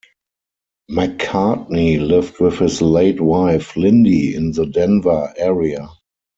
McCartney lived with his late wife Lyndi in the Denver area.